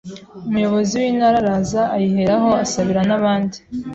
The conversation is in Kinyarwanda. umuyobozi w’intara araza ayiheraho asabira n’abandi